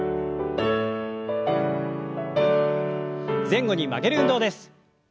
前後に曲げる運動です。